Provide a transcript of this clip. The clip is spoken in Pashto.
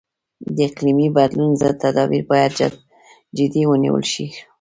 د اقلیمي بدلون ضد تدابیر باید جدي ونیول شي.